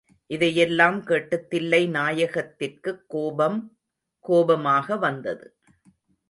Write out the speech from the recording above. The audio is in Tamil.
இதையெல்லாம் கேட்டுத் தில்லைநாயகத்திற்குக் கோபம் கோபமாக வந்தது.